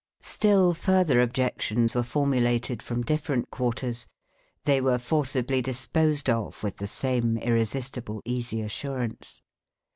Still further objections were formulated from different quarters. They were forcibly disposed of with the same irresistible easy assurance.